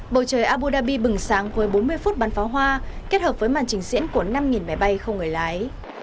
bầu trời abu dhabi bừng sáng với bốn mươi phút bắn pháo hoa kết hợp với màn trình diễn của năm máy bay không người lái